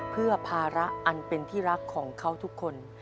เพื่อภาระอันเป็นที่รักของเขาทุกคน